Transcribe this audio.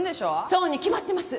そうに決まってます！